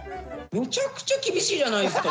むちゃくちゃ厳しいじゃないですか